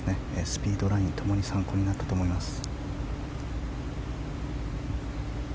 スピード、ラインともに参考になったと思います。